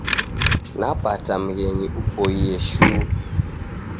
Napata mghenyi upoie shuu.